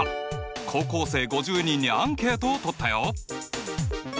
高校生５０人にアンケートをとったよ！